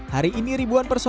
hari ini ribuan penyelamat